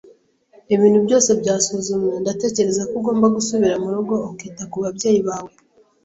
Ibintu byose byasuzumwe, ndatekereza ko ugomba gusubira murugo ukita kubabyeyi bawe